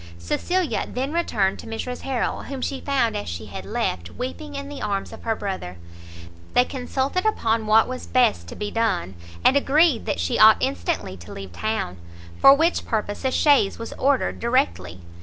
Cecilia then returned to Mrs Harrel, whom she found as she had left, weeping in the arms of her brother. They consulted upon what was best to be done, and agreed that she ought instantly to leave town; for which purpose a chaise was ordered directly.